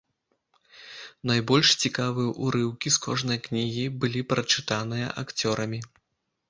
Найбольш цікавыя ўрыўкі з кожнай кнігі былі прачытаныя акцёрамі.